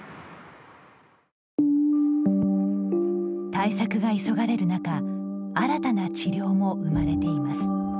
対策が急がれる中新たな治療も生まれています。